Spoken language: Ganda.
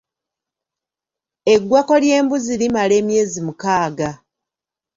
Eggwako ly'embuzi limala emyezi mukaaga.